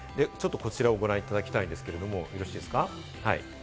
こちらをご覧いただきたいんですけれども、よろしいですか？